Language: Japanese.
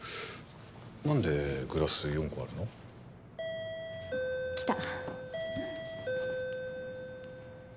何でグラス４個あるの？来た。